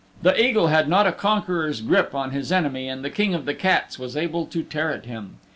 The Eagle had not a conqueror's grip on his enemy and the King of the Cats was able to tear at him.